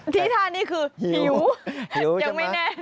ที่ท่านี้คือหิวยังไม่แน่